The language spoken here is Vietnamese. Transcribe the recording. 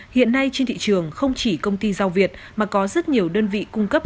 hiện nay trên thị trường không chỉ công ty rau việt mà có rất nhiều đơn vị cung cấp